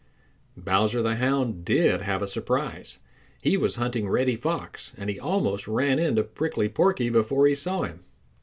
Bowser the Hound did have a surprise. He was hunting Reddy Fox, and he almost ran into Prickly Porky before he saw him.